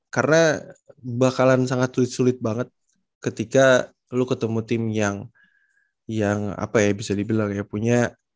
karena bakalan sangat sulit sulit banget ketika lu ketemu tim yang apa ya bisa dibilang ya punya